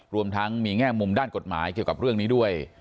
รวมทั้งมีแง่มุมด้านกฎหมายเกี่ยวกับเรื่องนี้ด้วย